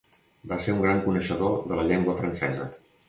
Va ser un gran coneixedor de la llengua francesa.